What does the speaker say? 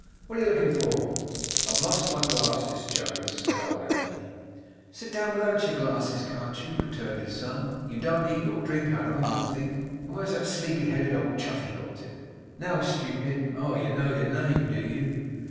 'What are you looking for?' 'I've lost my glasses, Jonas,' said old Anthony. 'Sit down without your glasses, can't you?' returned his son. 'You don't eat or drink out of 'em, I think; and where's that sleepy headed old Chuffey got to! Now, stupid. Oh! you know your name, do you?